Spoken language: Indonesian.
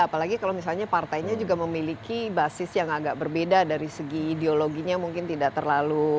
apalagi kalau misalnya partainya juga memiliki basis yang agak berbeda dari segi ideologinya mungkin tidak terlalu